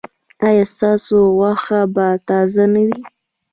ایا ستاسو غوښه به تازه نه وي؟